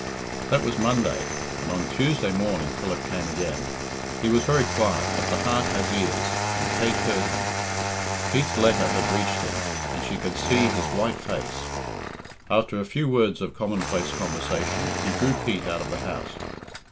That was Monday, and on Tuesday morning Philip came again. He was very quiet, but the heart has ears, and Kate heard him. Pete's letter had reached him, and she could see his white face. After a few words of commonplace conversation, he drew Pete out of the house.